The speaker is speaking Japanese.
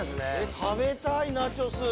食べたいナチョス